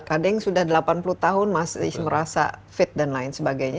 ada yang sudah delapan puluh tahun masih merasa fit dan lain sebagainya